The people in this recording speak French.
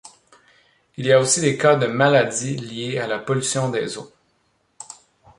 Il y a aussi des cas de maladie liés à la pollution des eaux.